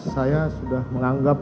saya sudah menganggap